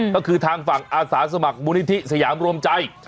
ก็คือทางฝั่งอาสาสมัครมูลนิธิสยามรวมใจ